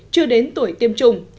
chưa đến tuổi tiêm chủng